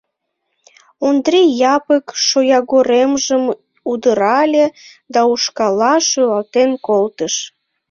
Ондри Япык шоягоремжым удырале да ушкалла шӱлалтен колтыш.